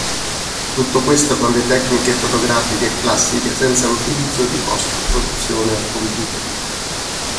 Tutto questo con le tecniche fotografiche classiche senza l'utilizzo di post produzione al computer.